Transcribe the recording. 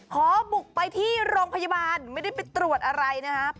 ขอบุกไปที่โรงพยาบาลไม่ได้ไปตรวจอะไรนะครับ